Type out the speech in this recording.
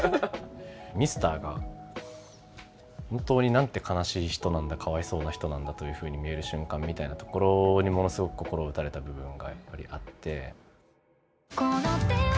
ミスターが本当になんて悲しい人なんだかわいそうな人なんだというふうに見える瞬間みたいなところにものすごく心を打たれた部分がやっぱりあって。